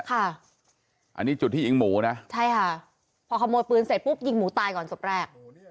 อันนี้จุดที่ยิงหมูนะใช่ค่ะพอขโมยปืนเสร็จปุ๊บยิงหมูตายก่อนศพแรก